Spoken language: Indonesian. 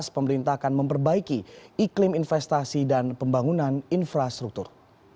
pemerintah akan memperbaiki iklim investasi dan pembangunan infrastruktur